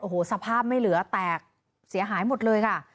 โอ้โหสภาพไม่เหลือแตกเสียหายหมดเลยค่ะ